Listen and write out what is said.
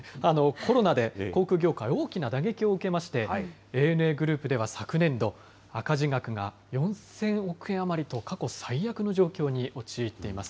コロナで航空業界、大きな打撃を受けまして、ＡＮＡグループでは昨年度、赤字額が４０００億円余りと過去最悪の状況に陥っています。